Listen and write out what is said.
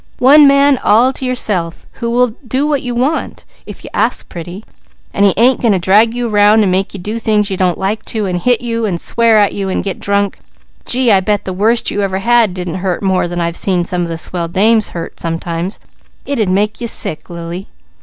"One man all to yourself, who will do what you want, if you ask pretty, and he ain't going to drag you 'round and make you do things you don't like to, and hit you, and swear at you, and get drunk. Gee, I bet the worst you ever had didn't hurt more than I've seen some of the swell dames hurt sometimes. It'd make you sick Lily."